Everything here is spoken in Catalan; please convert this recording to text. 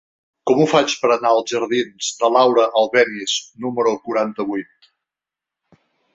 Com ho faig per anar als jardins de Laura Albéniz número quaranta-vuit?